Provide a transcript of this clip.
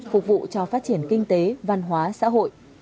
phục vụ cho phát triển kinh tế văn hóa xã hội